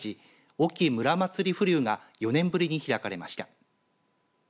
隠岐武良祭風流が４年ぶりに開かれました。